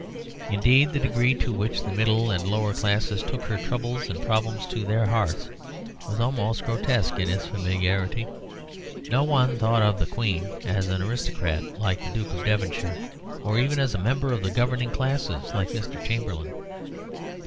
Indeed, the degree to which the middle and lower classes took her troubles and problems to their hearts was almost grotesque in its familiarity. No one thought of the Queen as an aristocrat like the Duke of Devonshire, or even as a member of the governing classes like Mr. Chamberlain.